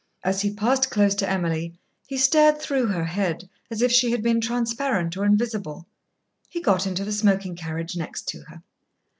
As he passed close to Emily, he stared through her head as if she had been transparent or invisible. He got into the smoking carriage next to her.